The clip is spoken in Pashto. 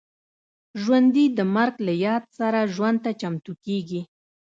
ژوندي د مرګ له یاد سره ژوند ته چمتو کېږي